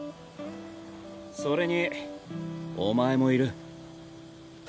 それにお前もいる。